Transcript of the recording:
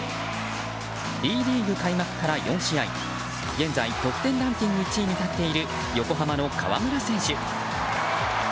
Ｂリーグ開幕から４試合現在、得点ランキング１位に立っている横浜の河村選手。